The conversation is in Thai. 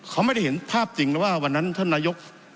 เขาไม่ได้เห็นภาพจริงนะว่าวันนั้นท่านนายก